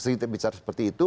kita bicara seperti itu